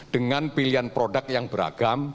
dengan pilihan produk yang beragam